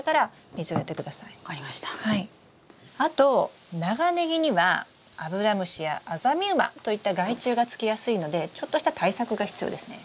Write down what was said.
あと長ネギにはアブラムシやアザミウマといった害虫がつきやすいのでちょっとした対策が必要ですね。